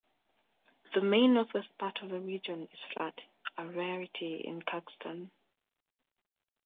The main northwest part of the region is flat, a rarity in Kyrgyzstan.